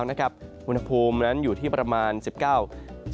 วันภูมินั้นอยู่ที่ประมาณ๑๙องศาเซลเซียส